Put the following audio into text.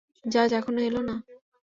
জাজ এখনো এলো না?